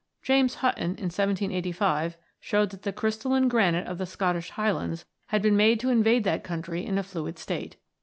James Button in 1785 showed that the crystalline granite of the Scottish highlands "had been made to invade that country in a fluid state."